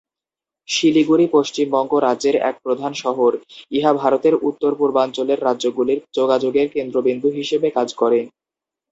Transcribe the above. শিলিগুড়ি পশ্চিমবঙ্গ রাজ্যের এক প্রধান শহর, ইহা ভারতের উত্তর পূর্বাঞ্চলের রাজ্যগুলির যোগাযোগের কেন্দ্রবিন্দু হিসেবে কাজ করে।